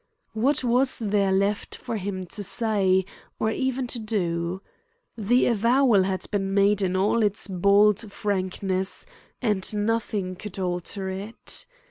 What was there left for him to say, or even to do? The avowal had been made in all its bald frankness and nothing could alter it.